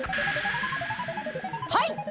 はい！